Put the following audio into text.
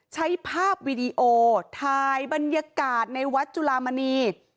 ใช้ภาพวีดีโอถ่ายบรรยากาศในวัดจุลามณี